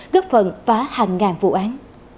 góp phần phá hàng ngàn vụ án